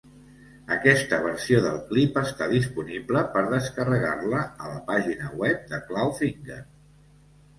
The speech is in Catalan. Aquesta versió del clip està disponible per descarregar-la a la pàgina web de Clawfinger.